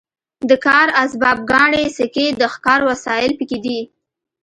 د کار اسباب ګاڼې سکې د ښکار وسایل پکې دي.